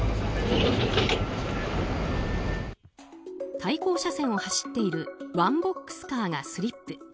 対向車線を走っているワンボックスカーがスリップ。